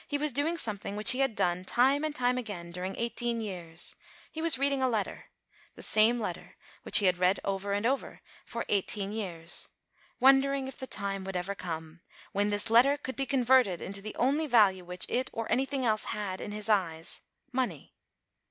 53 was doing something which he had done, time and time again, during eighteen years ; he was reading a letter, the same letter which he had read over and over, for eighteen years, wonder ing if the time would ever come, when this let ter could be converted into the only value which it, or anything else, had in his eyes, — money.